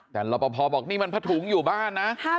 แต่รอปภบอกนี่มันผ้าถุงอยู่บ้านนะ